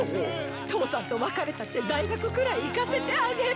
父さんと別れたって大学くらい行かせてあげる。